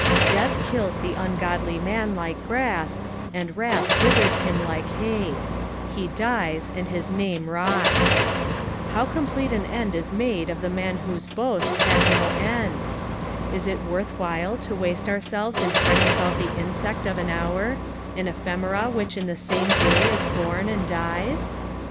Death kills the ungodly man like grass, and wrath withers him like hay ; he dies^ and his FSAXU THE IHIBTT SE7EKTH. 189 DAine Tob. How complete bd end is mode of Iho maa whose boasts hsd no Md! Is it worth while to waste ouraclres )□ fretting ab«ut the iDsect uf an hour, an ephemera which in the same da; is born and dies